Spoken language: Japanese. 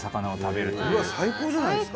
うわっ最高じゃないですか。